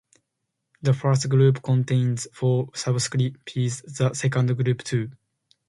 The first group contains four subspecies, the second group two.